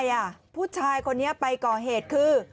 เพราะอะไรผู้ชายคนนี้ไปก่อเหตุคือ